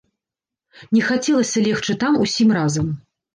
Не хацелася легчы там усім разам.